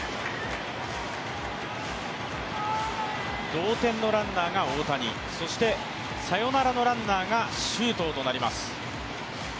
同点のランナーが大谷、サヨナラのランナーが周東となります。